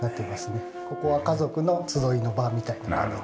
ここは家族の集いの場みたいな感じで。